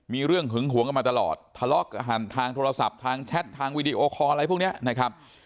มีเรื่องหึงหวงกันมาตลอดทะเลาะกันทางโทรศัพท์ทางแชททางวีดีโอคอลอะไรพวกนี้นะครับ